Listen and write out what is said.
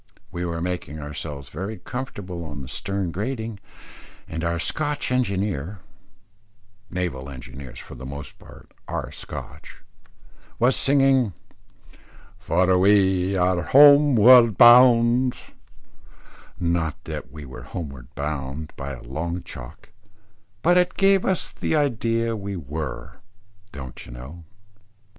We were making ourselves very comfortable on the stern gratings, and our Scotch engineer naval engineers for the most part are Scotch was singing "For we are homeward bound;" not that we were homeward bound by a long chalk, but it gave us the idea we were, don't you know?